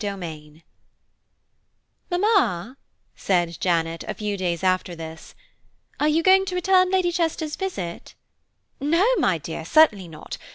CHAPTER IX "MAMMA," said Janet, a few days after this, "are you going to return Lady Chester's visit?" "No, my dear, certainly not.